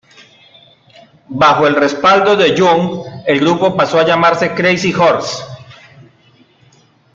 Bajo el respaldo de Young, el grupo pasó a llamarse Crazy Horse.